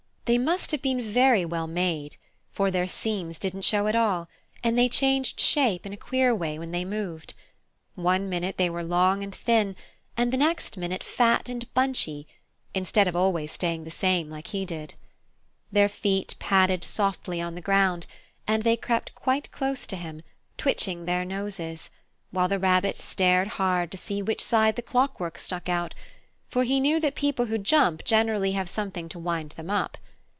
They must have been very well made, for their seams didn't show at all, and they changed shape in a queer way when they moved; one minute they were long and thin and the next minute fat and bunchy, instead of always staying the same like he did. Their feet padded softly on the ground, and they crept quite close to him, twitching their noses, while the Rabbit stared hard to see which side the clockwork stuck out, for he knew that people who jump generally have something to wind them up.